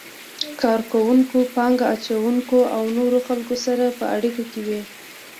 کار کوونکو، پانګه اچونکو او نورو خلکو سره په اړیکه کې وي.